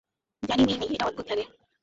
জানি মেই-মেই, এটা অদ্ভূত লাগে।